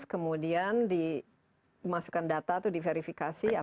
kemudian dimasukkan data atau diverifikasi